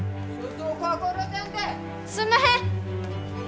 すんまへん！